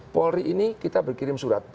polri ini kita berkirim surat